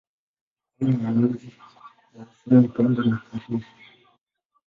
Mifano ya nyuzi za asili ni pamba na hariri.